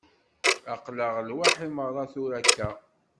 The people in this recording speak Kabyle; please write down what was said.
Aql-aɣ lwaḥi merra, tura akka.